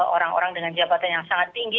orang orang dengan jabatan yang sangat tinggi